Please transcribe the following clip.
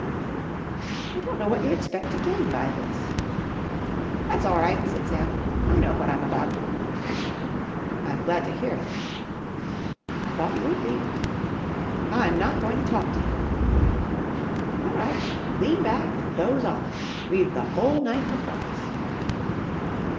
"I don't know what you expect to gain by this." "That's all right," said Sam, "I know what I'm about." "I'm glad to hear it." "I thought you would be." "I'm not going to talk to you." "All right. Lean back and doze off. We've the whole night before us."